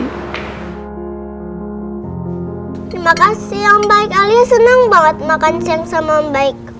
terima kasih om baik alia senang banget makan siang sama om baik